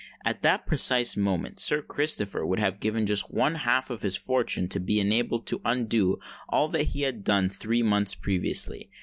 At that precise moment Sir Christopher would have given just one half of his fortune to be enabled to undo all he had done three months previously.